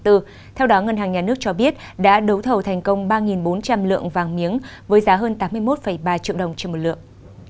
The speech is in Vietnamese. theo đó ngân hàng nhà nước cho biết đã đấu thầu thành công ba bốn trăm linh lượng vàng miếng với giá hơn tám mươi một ba triệu đồng trên một lượng